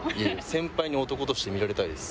先輩に男として見られたいです。